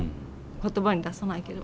言葉に出さないけど。